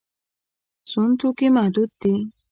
سون توکي محدود دي.